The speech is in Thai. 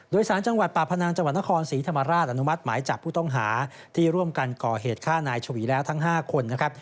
โดยสารจังหวัดป่าพนังจังหวัดนครศรีธรรมราชอนุมัติหมายจับผู้ต้องหาที่ร่วมกันก่อเหตุฆ่านายฉวีแล้วทั้ง๕คนนะครับ